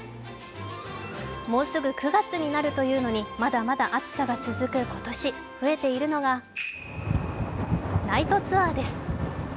もうすぐ９月になるというのにまだまだ暑さが続く今年、増えているのがナイトツアーです。